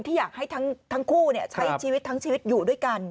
ที่อยากให้ทั้งคู่ใช้ชีวิตทั้งชีวิตอยู่ด้วยกัน